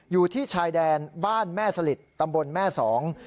อยู่ที่ชายแดนบ้านแม่สลิดตำบลแม่สอง